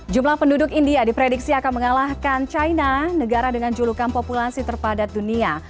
jumlah penduduk india diprediksi akan mengalahkan china negara dengan julukan populasi terpadat dunia